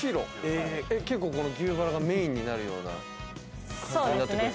牛バラがメインになるような。